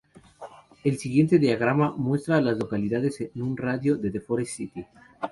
El siguiente diagrama muestra a las localidades en un radio de de Forest City.